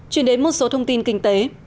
chuyển đến một số thông tin kinh tế